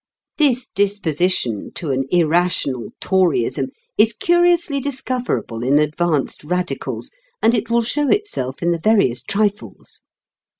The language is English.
This disposition to an irrational Toryism is curiously discoverable in advanced Radicals, and it will show itself in the veriest trifles.